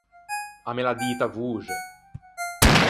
A me l’à dito à voxe.